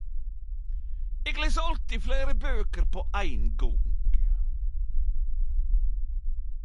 Eg les alltid fleire bøker på ein gong.